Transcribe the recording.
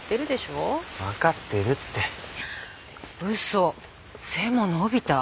うそ背も伸びた？